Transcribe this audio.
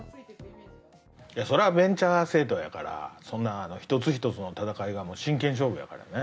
そりゃ、ベンチャー政党やから、そんな、一つ一つの戦いが真剣勝負やからね。